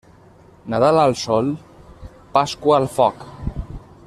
Nadal al sol, Pasqua al foc.